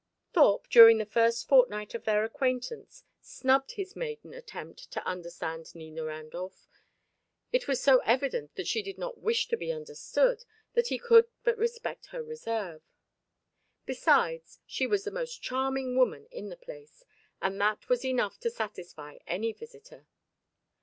Thorpe, during the first fortnight of their acquaintance, snubbed his maiden attempt to understand Nina Randolph; it was so evident that she did not wish to be understood that he could but respect her reserve. Besides, she was the most charming woman in the place, and that was enough to satisfy any visitor.